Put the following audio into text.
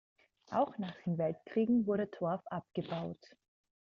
Auch nach den Weltkriegen wurde Torf abgebaut.